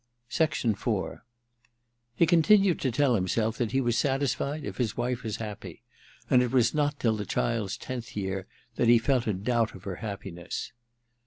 IV He continued to tell himself that he was satisfied if his wife was happy ; and it was not till the child's tenth year that he felt a doubt of her happiness.